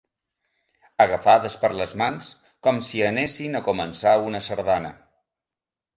Agafades per les mans, com si anessin a començar una sardana